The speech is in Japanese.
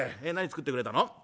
えっ何作ってくれたの？